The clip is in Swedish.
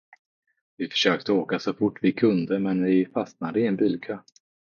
Vi försökte åka så fort vi kunde men vi fastnade i en bilkö.